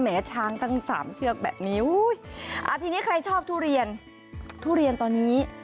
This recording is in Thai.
ช้างตั้งสามเชือกแบบนี้ทีนี้ใครชอบทุเรียนทุเรียนตอนนี้